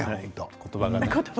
言葉がね。